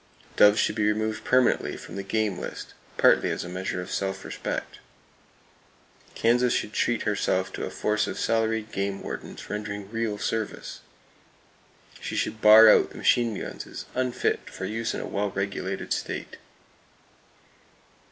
Doves should be removed permanently from the game list, partly as a measure of self respect. Kansas should treat herself to a force of salaried game wardens rendering real service. She should bar out the machine guns as unfit for use in a well regulated State.